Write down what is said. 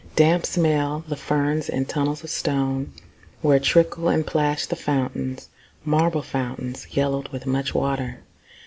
Damp smell the ferns in tunnels of stone, Where trickle and plash the fountains, Marble fountains, yellowed with much water.